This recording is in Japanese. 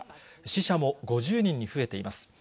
死者も５０人に増えています。